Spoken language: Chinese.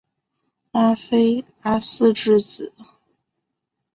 拉菲阿斯之子。